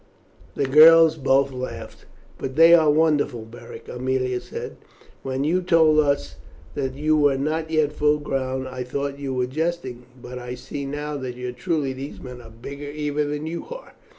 The girls both laughed. "But they are wonderful, Beric," Aemilia said. "When you told us that you were not yet full grown I thought you were jesting, but I see now that truly these men are bigger even than you are.